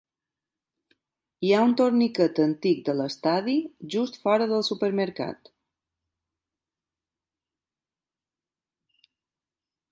Hi ha un torniquet antic de l'estadi just fora del supermercat.